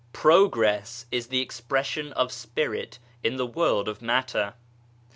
" Progress " is the expression of Spirit in the world of matter.